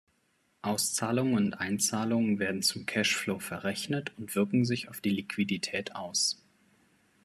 Auszahlungen und Einzahlungen werden zum Cash-Flow verrechnet und wirken sich auf die Liquidität aus.